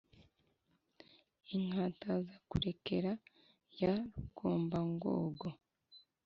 inkataza kurekera ya rugombangogo